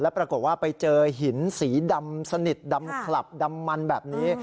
ปรากฏว่าไปเจอหินสีดำสนิทดำขลับดำมันแบบนี้